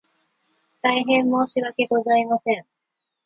大変申し訳ございません